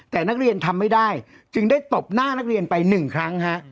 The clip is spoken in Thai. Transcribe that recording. แต่นักเรียนทำไม่ได้จึงได้ตบหน้านักเรียนไปหนึ่งครั้งฮะ